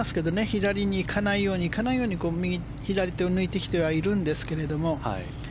左にいかないように、いかないように右、左と抜いてきてはいるんですが。